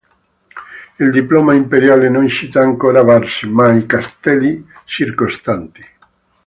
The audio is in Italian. Il diploma imperiale non cita ancora Varzi, ma i castelli circostanti.